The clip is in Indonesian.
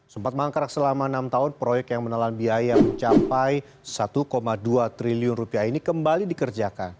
sempat mangkrak selama enam tahun proyek yang menelan biaya mencapai satu dua triliun rupiah ini kembali dikerjakan